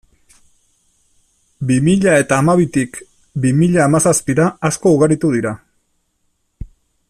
Bi mila eta hamabitik bi mila hamazazpira, asko ugaritu dira.